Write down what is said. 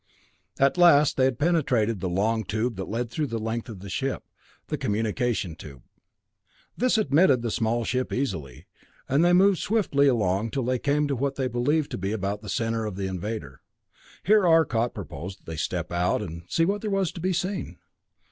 At last they had penetrated to the long tube that led through the length of the ship, the communication tube. This admitted the small ship easily, and they moved swiftly along till they came to what they believed to be about the center of the invader. Here Arcot proposed that they step out and see what there was to be seen.